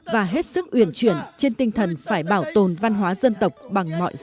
và hết sức uyển chuyển trên tinh thần phải bảo tồn văn hóa dân tộc bằng mọi giá